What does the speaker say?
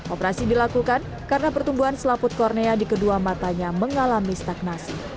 operasi dilakukan karena pertumbuhan selaput kornea di kedua matanya mengalami stagnasi